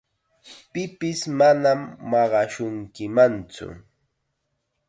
Pipis manam maqashunkimantsu.